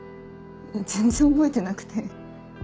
全然覚えてなくて。